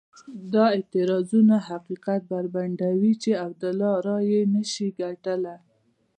دا اعتراضونه حقیقت بربنډوي چې عبدالله رایې نه شي ګټلای.